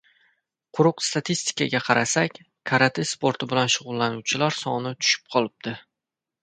Quruq statistikaga qarasak karate sporti bilan shugʻullanuvchilar soni tushib qolibdi.